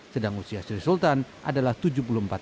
sedang usia sri sultan adalah tujuh tahun